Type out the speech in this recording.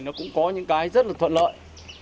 nó cũng có những cái rất là thuận lợi